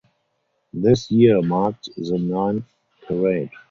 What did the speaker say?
This year marked the ninth parade.